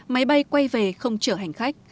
máy bay quay về không chở hành khách